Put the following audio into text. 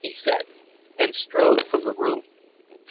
he said, and strode from the room.